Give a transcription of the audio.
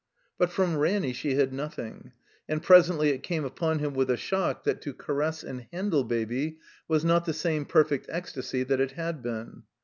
But from Ranny she hid nothing; and presently it came upon him with a shock that to caress and handle Baby was not the same perfect ecstasy that it had been.